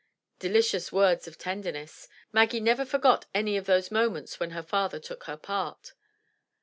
Delicious words of tenderness! Maggie never forgot any of these moments when her father "took her part."